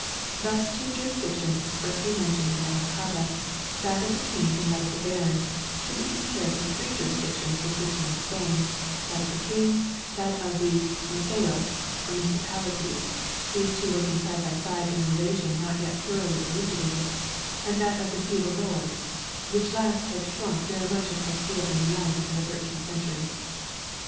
Thus two jurisdictions expressly mentioned in Magna Carta, that of the King and that of the barons, should be compared with three jurisdictions existing in Spain, that of the King, that of the " concejos " or municipalities (these two working side by side in a relation not yet thoroughly eluci dated), and that of the feudal lords, which last had shrunk very much in Castile and Leon in the thirteenth century.